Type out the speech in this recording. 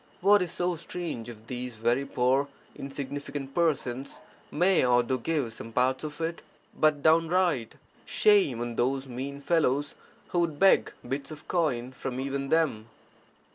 What is so strange if these very poor insignificant persons may or do give (some parts of it)? But downright shame on those mean fellows who would beg bits of coin from even them